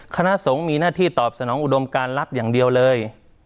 คณะสงฆ์มีหน้าที่ตอบสนองอุดมการรับอย่างเดียวเลย